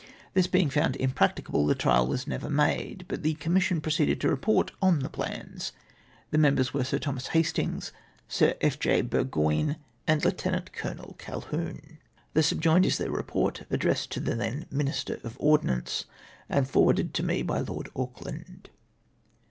This being found im practicable, the trial was never made, but the com mission proceeded to report on the plans. The mem bers were Sn Thomas Hastings, Sir J. F. Burgoyne, and Lieut. Col Colquhoun. The subjoined is then report, addressed to the then Master of the Ordnance and forwarded to me by Lord Auckland.